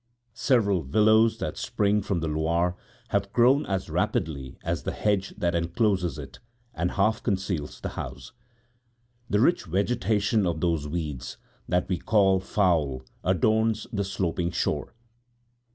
Several willows that spring from the Loire have grown as rapidly as the hedge that encloses it, and half conceal the house. The rich vegetation of those weeds that we call foul adorns the sloping shore.